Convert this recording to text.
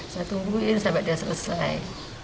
saya tungguin sampai dia selesai